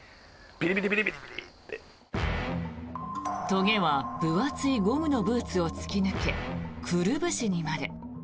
とげは分厚いゴムのブーツを突き抜けくるぶしにまで。